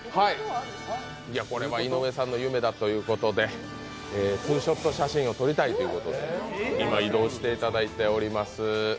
これは井上さんの夢だということでツーショット写真を撮りたいということで今、移動していただいております。